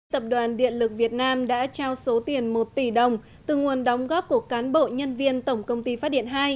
tập đoàn điện lực việt nam đã trao số tiền một tỷ đồng từ nguồn đóng góp của cán bộ nhân viên tổng công ty phát điện hai